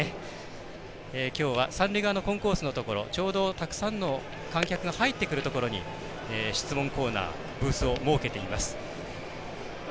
きょうは三塁側のコンコースのところちょうど、たくさんの観客が入ってくるところに質問コーナーブースを設けています。